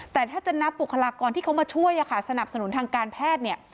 แต่ถ้าจะนับบุคลากรที่เขามาช่วยสนับสนุนทางการแพทย์เนี่ย